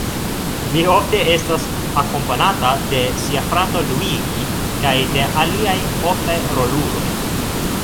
Li ofte estas akompanata de sia frato Luigi kaj de aliaj oftaj roluloj.